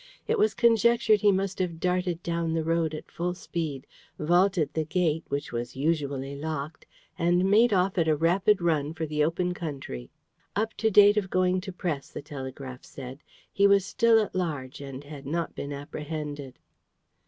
It was conjectured he must have darted down the road at full speed, vaulted the gate, which was usually locked, and made off at a rapid run for the open country. Up to date of going to press, the Telegraph said, he was still at large and had not been apprehended.